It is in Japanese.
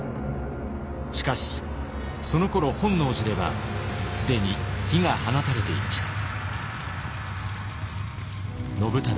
しかしそのころ本能寺では既に火が放たれていました。